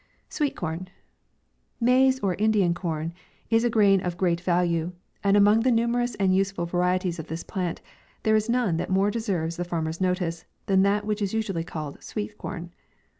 SWEET CORN. Maize or Indian corn is a grain of great value, and among the numerous and useful varieties of this plant, there is none that more deserves the farmer's notice than that which is usually called sweet corn.